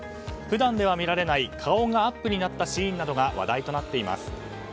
普段では見られない顔がアップになったシーンなどが話題となっています。